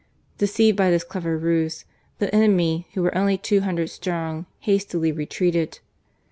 Deceived by this clever ruse, the enemy, who were only two hundred strong, hastily retreated.